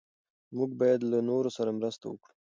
موږ باید له نورو سره مرسته وکړو.